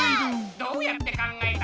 どうやって考えた？